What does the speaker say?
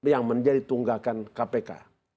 yang menjadi tunggakan kpk